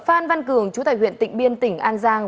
phan văn cường chú tại huyện tịnh biên tỉnh an giang